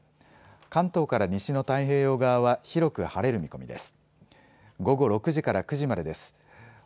関東から西の太平洋側は広く晴れる見込みです。